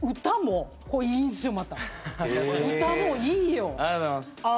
歌もいいよ！